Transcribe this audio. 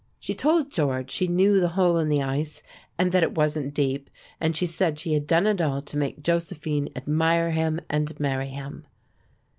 She told George she knew the hole in the ice, and that it wasn't deep; and she said she had done it all to make Josephine admire him and marry him.